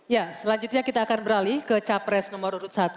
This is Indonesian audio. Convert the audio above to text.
ya selanjutnya kita akan beralih ke capres nomor urut satu